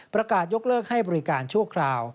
ประกาศยกเลิกให้บริการชั่วคราว